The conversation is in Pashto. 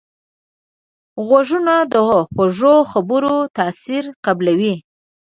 غوږونه د خوږو خبرو تاثیر قبلوي